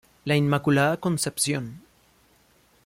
La Inmaculada Concepción.